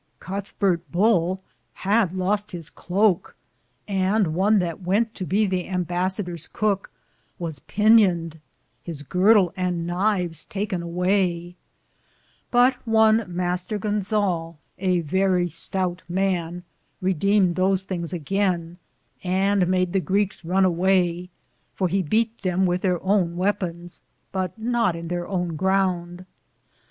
Cuthberte Bull had loste his Cloake, and one that wente to be the Imbassaderes Couke was pinyonede, his girdle and knyfes taken awaye ; but one Mr. Gonzale, a verrie stoute man, redemed those thinges againe, and made the Greeks rune awaye, for he beate them wythe their owne weapons, but not in theire owne grounde.